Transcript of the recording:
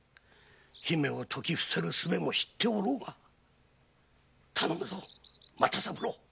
姫を説きふせる術も知っておろうが頼むぞ又三郎。